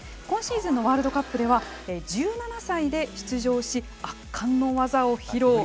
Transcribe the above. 今シーズンのワールドカップでは１７歳で出場し圧巻の技を披露。